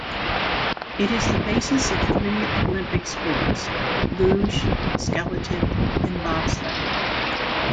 It is the basis of three Olympic sports: luge, skeleton and bobsledding.